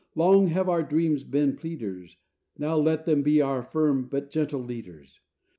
Long have our dreams been pleaders: Now let them be our firm but gentle leaders.